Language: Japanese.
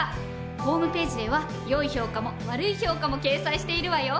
ホームページでは良い評価も悪い評価も掲載しているわよ。